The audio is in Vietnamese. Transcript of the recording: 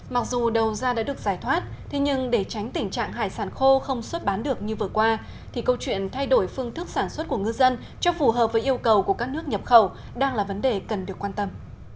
mặc dù đầu ra đã được giải thoát thế nhưng để tránh tình trạng hải sản khô không xuất bán được như vừa qua thì câu chuyện thay đổi phương thức sản xuất của ngư dân cho phù hợp với yêu cầu của các nước nhập khẩu đang là vấn đề cần được quan tâm